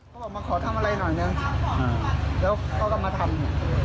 เขาบอกมาขอทำอะไรหน่อยนะแล้วเขาก็มาทำ